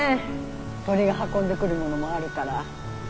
鳥が運んでくるものもあるから。